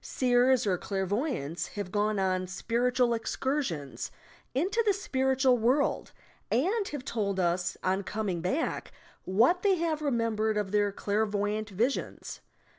Seers or clairvoyants have gone on "spiritual excursions" into the spiritual world, and have told us, on coming back, what they have remem bered of their clairvoyant visions.